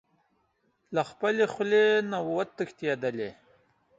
له خپلې خولې نه و تښتېدلی.